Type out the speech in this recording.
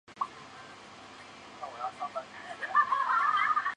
他在年轻时先后出任图罗夫和诺夫哥罗德的王公。